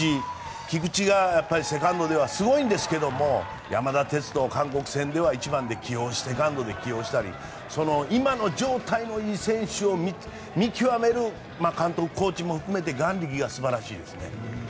菊池がセカンドではすごいんですが山田哲人を韓国戦では１番で起用したり今の状態のいい選手を見極める監督、コーチも含めて眼力が素晴らしいです。